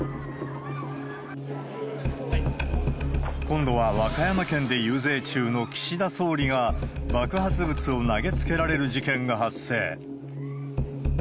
今度は、和歌山県で遊説中の岸田総理が、爆発物を投げつけられる事件が発生。